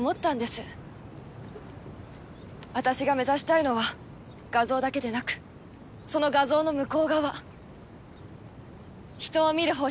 私が目指したいのは画像だけでなくその画像の向こう側人を見る放射線科医です。